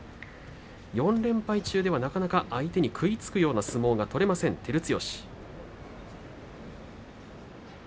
４連敗中では、なかなか相手に食いつくような相撲が取れません照強。